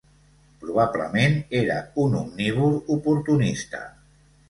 Probablement era un omnívor oportunista.